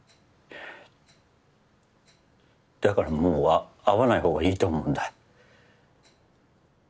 だからもうあ会わないほうがいいと思うんだ。